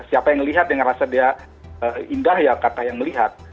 siapa yang melihat dengan rasa dia indah ya kata yang melihat